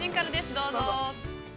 どうぞ。